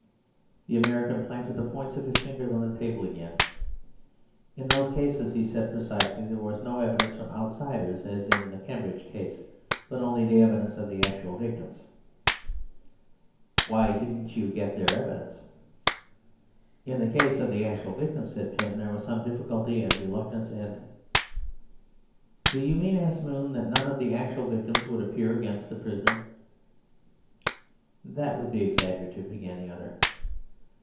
The American planted the points of his fingers on the table again. "In those cases," he said precisely, "there was no evidence from outsiders, as in the Cambridge case, but only the evidence of the actual victims." "Why didn't you get their evidence?" "In the case of the actual victims," said Pym, "there was some difficulty and reluctance, and—" "Do you mean," asked Moon, "that none of the actual victims would appear against the prisoner?" "That would be exaggerative," began the other.